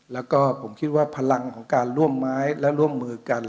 แล้วก็ผมคิดว่าพลังของการร่วมไม้และร่วมมือกัน